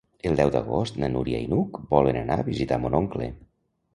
El deu d'agost na Núria i n'Hug volen anar a visitar mon oncle.